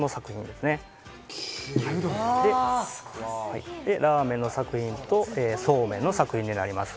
で、ラーメンの作品とそうめんの作品になります。